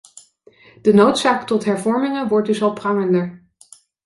De noodzaak tot hervormingen wordt dus al prangender.